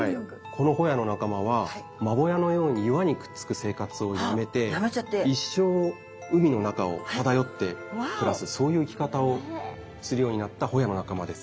このホヤの仲間はマボヤのように岩にくっつく生活をやめて一生海の中を漂って暮らすそういう生き方をするようになったホヤの仲間です。